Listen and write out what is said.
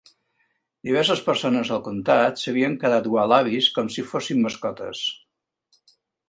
Diverses persones del comtat s'havien quedat ualabis com si fossin mascotes.